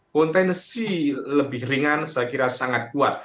potensi lebih ringan saya kira sangat kuat